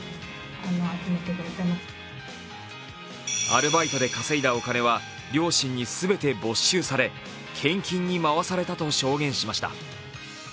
アルバイトで稼いだお金は両親に全て没収され、献金に回されたと証言しました。